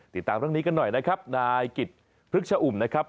ติดตามเรื่องนี้กันหน่อยนะครับนายกิจพฤกษอุ่มนะครับ